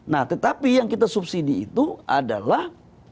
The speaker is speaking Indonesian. nah tetapi yang kita subsidi itu adalah